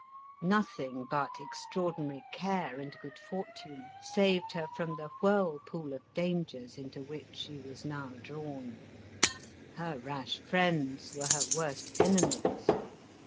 Nothing but extraordinary care and good fortune saved her from the whirlpool of dan gers into which she was now drawn. Her rash friends were her worst enemies.